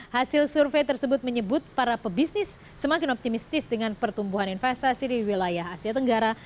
hasil survei tersebut menyebut para pebisnis semakin optimistis dengan pertumbuhan investasi di wilayah asia tenggara